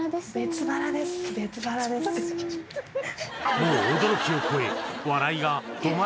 もう驚きを超え